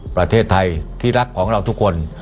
ประเทศไทยที่รักของเราทุกคน